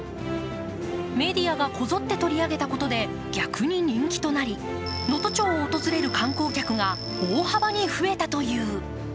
メディアがこぞって取り上げたことで逆に人気となり能登町を訪れる観光客が大幅に増えたという。